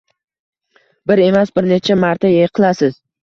Bir emas bir necha marta yiqilasiz.